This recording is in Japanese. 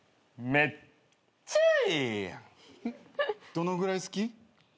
どのぐらい好き？